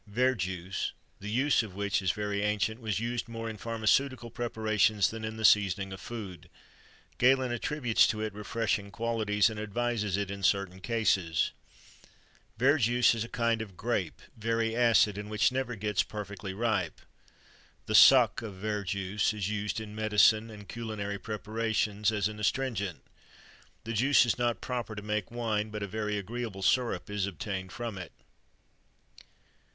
Verjuice, the use of which is very ancient, was used more in pharmaceutical preparations than in the seasoning of food.[XXIII 83] Galen attributes to it refreshing qualities, and advises it in certain cases.[XXIII 84] Verjuice is a kind of grape, very acid, and which never gets perfectly ripe. The suc of verjuice is used in medicine and culinary preparation as an astringent. The juice is not proper to make wine, but a very agreeable syrup is obtained from it.